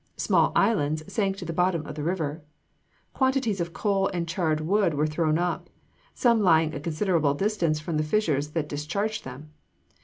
Small islands sank to the bottom of the river. Quantities of coal and charred wood were thrown up; some lying a considerable distance from the fissures that discharged them.